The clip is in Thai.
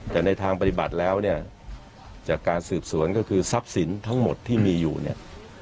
แต่ในทางปฏิบัติแล้วเนี่ยจากการสืบสวนก็คือทรัพย์สินทั้งหมดที่มีอยู่เนี่ย